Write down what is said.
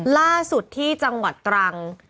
ล่าสุดที่จังหวัดตรัง